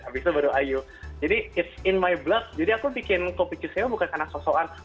habis itu baru iu jadi it s in my blood jadi aku bikin kopi chuseo bukan karena so soan